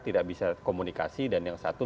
tidak bisa komunikasi dan yang satu